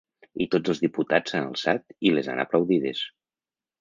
I tots els diputats s’han alçat i les han aplaudides.